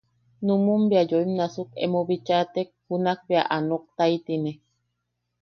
Numun bea yoim nasuk emo bichatek, junak bea a noktaitine.